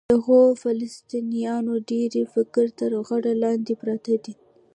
د دغو فلسطینیانو ډېری د فقر تر غره لاندې پراته دي.